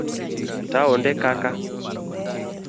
Taonde kaka